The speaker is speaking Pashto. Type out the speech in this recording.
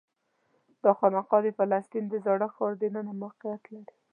دا خانقاه د فلسطین د زاړه ښار دننه موقعیت لري.